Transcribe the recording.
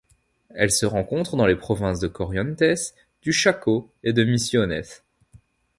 Elle se rencontre dans les provinces de Corrientes, du Chaco et de Misiones.